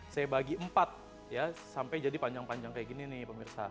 saya bagi empat ya sampai jadi panjang panjang kayak gini nih pemirsa